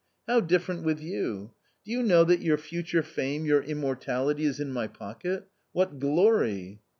How different with you? do you know that your future fame, your immortality is in my pocket ?— what glory